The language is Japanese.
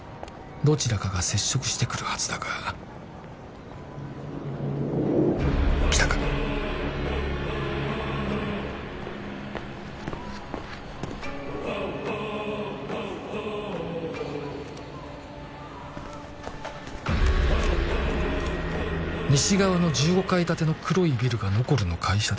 どちらかが接触してくるはずだが来たか「西側の１５階建ての黒いビルがノコルの会社です」